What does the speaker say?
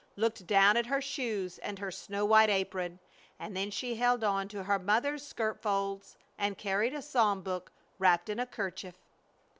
Looked down at her shoes and her snow white apron! And then she held on to her mother's skirt folds, And carried a psalm book wrapped up in a 'kerchief!